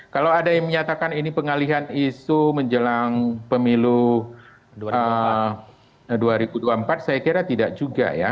kalau ada yang menyatakan ini pengalihan isu menjelang pemilu dua ribu dua puluh empat saya kira tidak juga ya